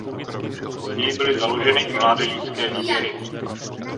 Později byly založeny i mládežnické výběry.